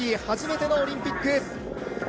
初めてのオリンピック。